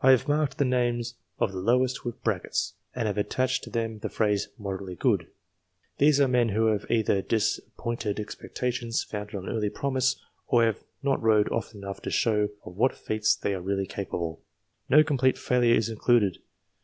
I have marked the names of the lowest with brackets [], and have attached to them the phrase "moderately good." These are men who have either disappointed expectations founded on early promise, or have not rowed often enough to show of what feats they are really capable. No complete failure is included.